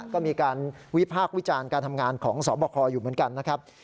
ก็มีการวิพากษ์วิจารณ์การทำงานของสอบคออยู่เหมือนกันนะครับ